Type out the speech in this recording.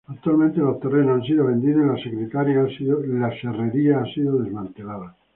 Actualmente los terrenos han sido vendidos y la serrería ha sido desmantelada.